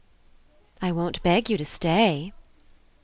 ... I won't beg you to stay.